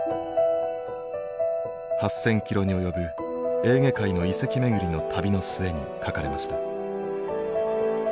８，０００キロに及ぶエーゲ海の遺跡巡りの旅の末に書かれました。